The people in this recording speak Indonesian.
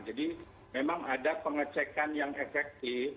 jadi memang ada pengecekan yang efektif